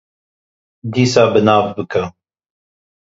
Dîsa bi nav bike.